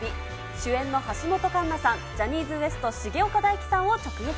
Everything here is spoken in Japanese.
主演の橋本環奈さん、ジャニーズＷＥＳＴ・重岡大毅さんを直撃。